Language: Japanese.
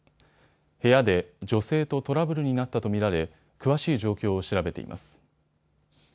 部屋で女性とトラブルになったと見られ詳しい状況を調べています。